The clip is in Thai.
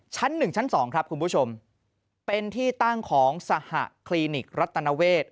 ชั้น๑ชั้น๒ครับคุณผู้ชมเป็นที่ตั้งของสหคลินิครัตนาเวท